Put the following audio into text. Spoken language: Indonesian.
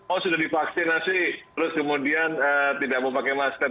oh sudah divaksinasi terus kemudian tidak mau pakai masker